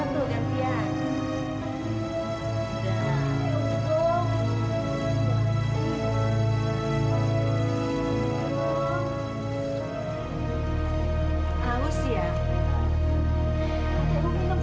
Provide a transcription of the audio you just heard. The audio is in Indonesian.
terima kasih pak